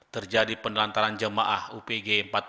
terjadi penelantaran jemaah upg empat puluh